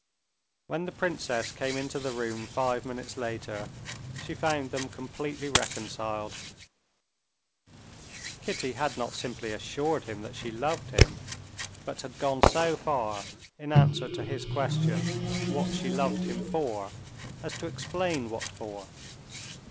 When the princess came into the room five minutes later, she found them completely reconciled. Kitty had not simply assured him that she loved him, but had gone so far—in answer to his question, what she loved him for—as to explain what for.